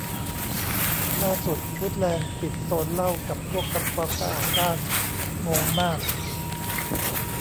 ล่าสุดฟูดแลนด์ปิดโซนเหล้ากับพวกทำความสะอาดบ้าน งงมาก